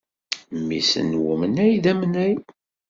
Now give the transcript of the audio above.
Mmis n wemnay d amnay.